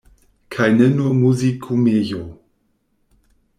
Kaj ne nur Muzikumejo!